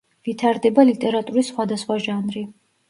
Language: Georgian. ვითარდება ლიტერატურის სხვადასხვა ჟანრი.